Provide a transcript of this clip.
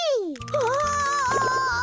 はあ！